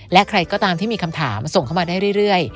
และใครก็ตามที่มีคำถามส่งเข้ามาได้เรื่อย